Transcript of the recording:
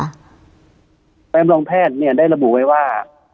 ใบรับรองแพทย์เนี่ยได้ระบุไว้ว่า